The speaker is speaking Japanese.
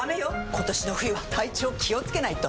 今年の冬は体調気をつけないと！